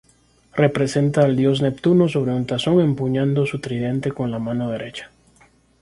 Representa al dios Neptuno sobre un tazón, empuñando su tridente con la mano derecha.